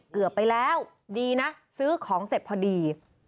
เกือบไปแล้วดีนะซื้อของเสร็จพอดี